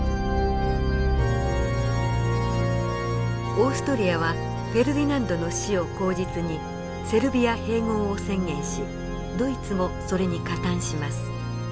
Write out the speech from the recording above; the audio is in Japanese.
オーストリアはフェルディナンドの死を口実にセルビア併合を宣言しドイツもそれに加担します。